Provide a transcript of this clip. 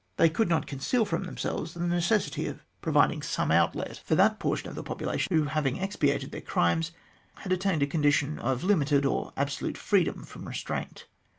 They could not conceal from themselves the necessity of providing some outlet for THE GENESIS OF THE GLADSTONE COLONY 21 that portion of the population who, having expiated their crimes, had attained a condition of limited or absolute freedom from restraint.